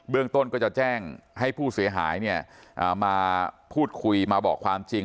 ต้นก็จะแจ้งให้ผู้เสียหายมาพูดคุยมาบอกความจริง